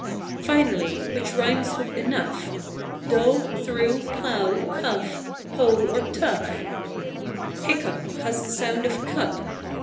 Finally: which rimes with "enough," Though, through, plough, cough, hough, or tough? Hiccough has the sound of "cup"......